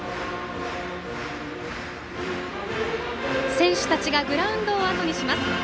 選手たちがグラウンドをあとにします。